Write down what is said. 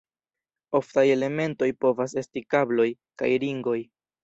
Oftaj elementoj povas esti kabloj, kaj ringoj.